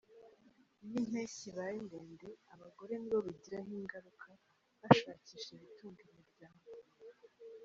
Iyo impeshyi ibaye ndende, abagore nibo bigiraho ingaruka bashakisha ibitunga imiryango.